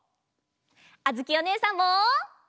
あづきおねえさんも！